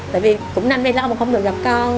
tại vì cũng nằm đây lâu mà không được gặp con